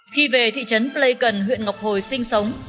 khi về thị trấn pleikon huyện ngọc hồi sinh sống